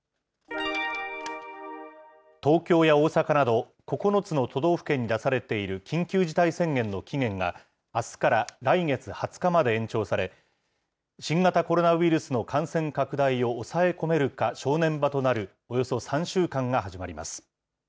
東京や大阪など、９つの都道府県に出されている緊急事態宣言の期限が、あすから来月２０日まで延長され、新型コロナウイルスの感染拡大を抑え込めるか正念場となる、およそ３週間が始まります。